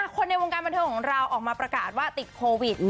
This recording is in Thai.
คนในวงการบันเทิงของเราออกมาประกาศว่าติดโควิด